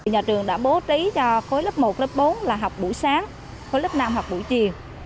nhà trường đã bố trí cho khối lớp một lớp bốn là học buổi sáng khối lớp năm học buổi chiều